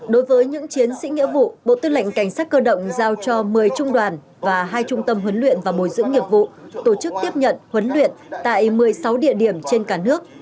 đối với những chiến sĩ nghĩa vụ bộ tư lệnh cảnh sát cơ động giao cho một mươi trung đoàn và hai trung tâm huấn luyện và bồi dưỡng nghiệp vụ tổ chức tiếp nhận huấn luyện tại một mươi sáu địa điểm trên cả nước